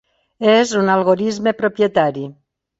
És un algorisme propietari.